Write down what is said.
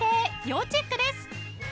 要チェックです